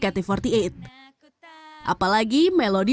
apalagi melody saat ini telah dilantik sebagai penyanyi